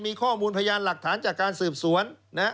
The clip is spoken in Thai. มีข้อมูลพยานหลักฐานจากการสืบสวน